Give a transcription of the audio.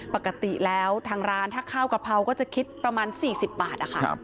ปกติแล้วทางร้านถ้าข้าวกะเพราก็จะคิดประมาณ๔๐บาทนะคะ